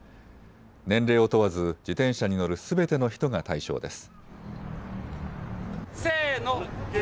年齢を問わず自転車に乗るすべての人が対象です。